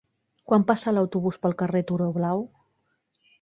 Quan passa l'autobús pel carrer Turó Blau?